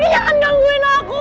jangan ganggu aku